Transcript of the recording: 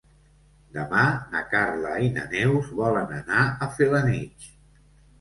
Demà na Carla i na Neus volen anar a Felanitx.